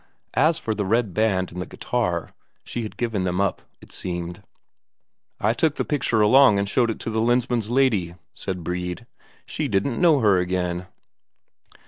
As for the red band and the guitar, she had given them up, it seemed. "I took the picture along and showed it to the Lensmand's lady," said Brede. "She didn't know her again."